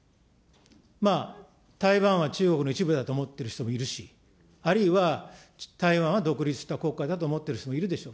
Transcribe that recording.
台湾は中国の一部だと思ってる人もいるし、あるいは、台湾は独立した国家だと思ってる人もいるでしょう。